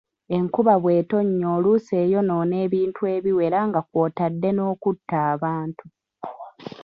Enkuba bw'etonnya oluusi eyonoona ebintu ebiwera nga kw'otadde n'okutta abantu.